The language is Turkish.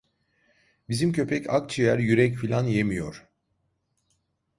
Bizim köpek akciğer, yürek filan yemiyor.